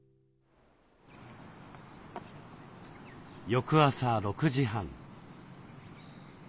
翌朝６時半。